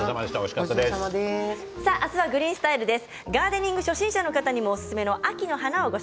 明日は「グリーンスタイル」です。